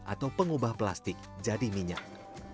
atau pengubah plastik jadi minyak